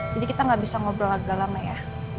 jadi kita gak bisa ngobrol agak lama ya